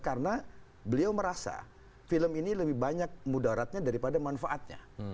karena beliau merasa film ini lebih banyak mudaratnya daripada manfaatnya